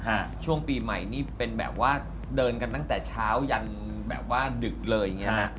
ครับช่วงปีดูใหม่นี้เป็นแบบว่าเดินกันตั้งแต่เช้ายังแบบว่าดึกเลย